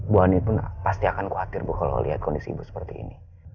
bu ani pun pasti akan khawatir bu kalau lihat kondisi ibu seperti ini